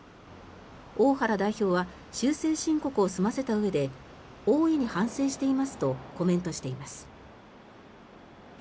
大原代表は修正申告を済ませたうえで大いに反省していますとコメントしています。